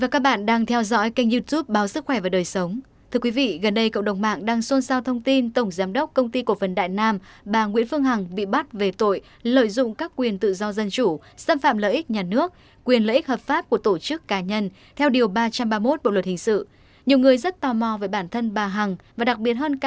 các bạn hãy đăng ký kênh để ủng hộ kênh của chúng mình nhé